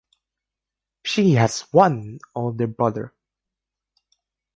She has one older brother.